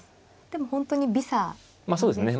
でも本当に微差ですね。